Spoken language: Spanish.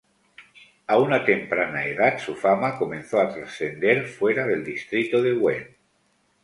A una temprana edad su fama comenzó a trascender fuera de distrito de Wen.